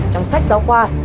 trong sách giáo khoa